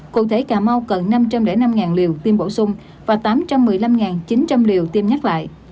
cụ thể cà mau cần năm trăm linh năm liều tiêm bổ sung và tám trăm một mươi năm chín trăm linh liều tiêm nhắc lại